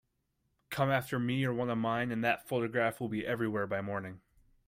Come after me or one of mine, and that photograph will be everywhere by morning.